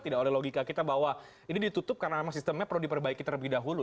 tidak oleh logika kita bahwa ini ditutup karena memang sistemnya perlu diperbaiki terlebih dahulu